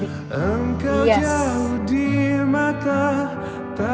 rangkul segala tangannya satu di belakang